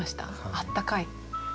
あったかい。